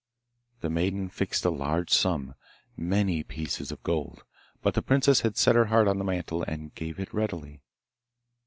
The maiden fixed a large sum, many pieces of gold, but the princess had set her heart on the mantle, and gave it readily.